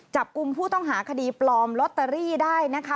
จับกลุ่มผู้ต้องหาคดีปลอมลอตเตอรี่ได้นะคะ